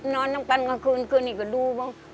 นอนกันกลางคืนคืนอีกก็ดูบ้าง